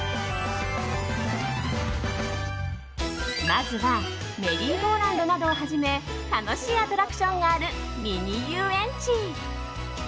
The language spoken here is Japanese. まずはメリーゴーラウンドなどをはじめ楽しいアトラクションがあるミニ遊園地。